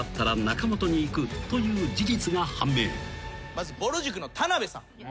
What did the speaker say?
まずぼる塾の田辺さん。